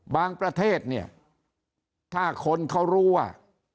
ประเทศเนี่ยถ้าคนเขารู้ว่า